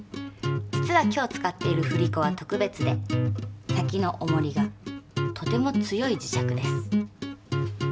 実は今日使っている振り子は特別で先のおもりがとても強い磁石です。